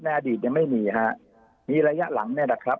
อดีตยังไม่มีฮะมีระยะหลังเนี่ยนะครับ